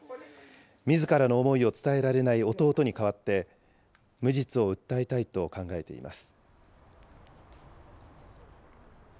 みずからの思いを伝えられない弟に代わって、無実を訴えたいと考えています。